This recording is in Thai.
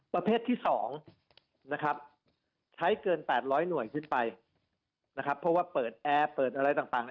ประเภทที่สองใช้เกิน๘๐๐หน่วยไปเพราะว่าเปิดแอร์เปิดอะไรทั้ง